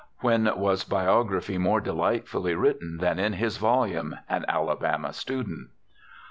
When was biography more delightfully written than in his volume _An Alabama Student?